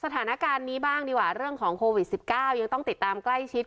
สถานการณ์นี้บ้างดีกว่าเรื่องของโควิด๑๙ยังต้องติดตามใกล้ชิด